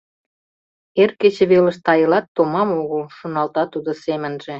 Эр кече велыш тайылат томам огыл, шоналта тудо семынже.